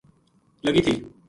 لگی تھی